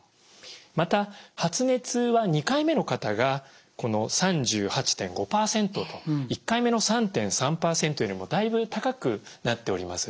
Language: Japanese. また発熱は２回目の方が３８．５％と１回目の３．３％よりもだいぶ高くなっております。